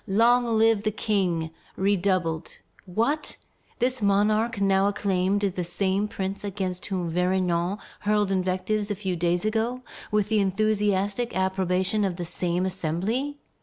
Long live the King!" redoubled. What! this monarch now acclaimed is the same prince against whom Vergniaud hurled invectives a few days ago with the enthusiastic approbation of the same Assembly!